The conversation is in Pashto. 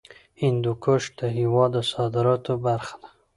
هندوکش د هېواد د صادراتو برخه ده.